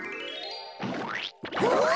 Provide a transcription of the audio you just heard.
うわ！